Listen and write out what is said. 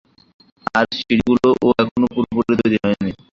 আর সিড়িগুলো ও এখনো পুরোপুরি তৈরি হয়নি।